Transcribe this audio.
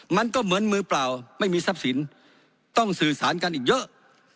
มันก็เหมือนมือเปล่าไม่มีทรัพย์สินต้องสื่อสารกันอีกเยอะ